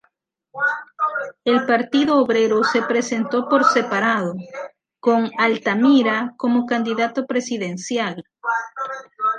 El Partido Obrero se presentó por separado, con Altamira como candidato presidencial.